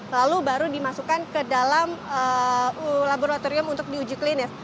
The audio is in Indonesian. lalu baru dimasukkan ke dalam laboratorium untuk diuji klinis